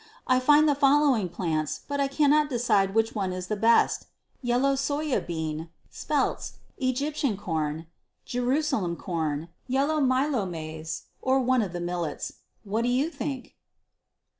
I find the following plants, but I cannot decide which one is the best: Yellow soja bean, speltz, Egyptian corn, Jerusalem corn, yellow Milo maize, or one of the millets. What do you think?